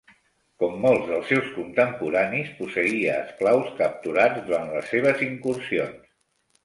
Com molts dels seus contemporanis, posseïa esclaus capturats durant les seves incursions.